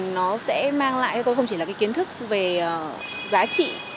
nó sẽ mang lại cho tôi không chỉ là cái kiến thức về giá trị